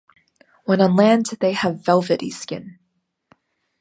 When on land, they have velvety skin.